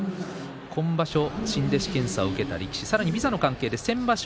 今場所、新弟子検査を受けた力士ビザの関係で先場所